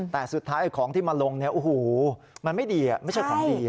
แต่สุดท้ายของที่มาลงเนี่ยโอ้โหมันไม่ดีไม่ใช่ของดี